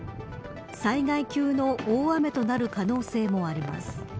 災害級の大雨となる可能性もあります。